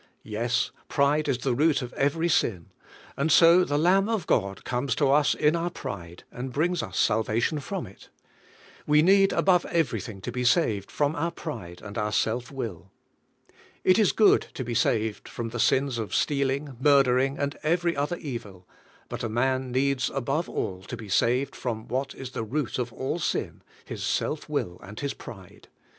Yes, pride is the root of every sin, and so the Lamb of God comes to us in our pride, and brings us salvation from it. V/e need above everything to be saved from our pride and our self will. It is good to be saved from the sins of stealing, murdering, and every other evil; but a man needs above all to be saved from what is the root of all sin, his self will and his pride.